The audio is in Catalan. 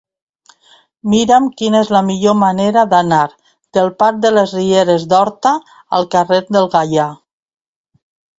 Mira'm quina és la millor manera d'anar del parc de les Rieres d'Horta al carrer del Gaià.